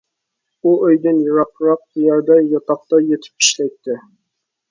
ئۇ ئۆيىدىن يىراقراق يەردە ياتاقتا يېتىپ ئىشلەيتتى.